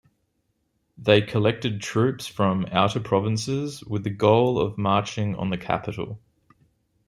They collected troops from outer provinces with the goal of marching on the capital.